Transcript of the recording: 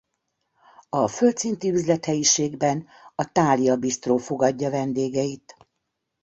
A földszinti üzlethelyiségben a Thália bisztró fogadja vendégeit.